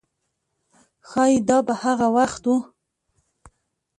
ښایي دا به هغه وخت و.